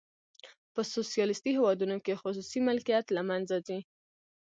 په سوسیالیستي هیوادونو کې خصوصي ملکیت له منځه ځي.